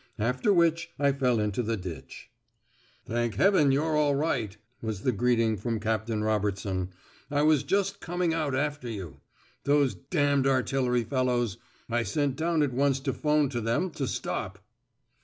After which I fell into the ditch. "Thank heaven you're all right," was the greeting from Captain Robertson. "I was just coming out after you. Those d d artillery fellows. I sent down at once to 'phone to them to stop...."